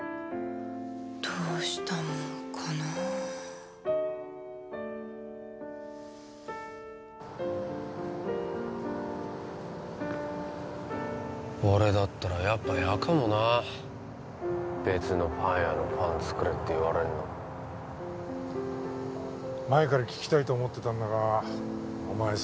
どうしたもんかな俺だったらやっぱ嫌かもな別のパン屋のパン作れって言われるの前から聞きたいと思ってたんだがお前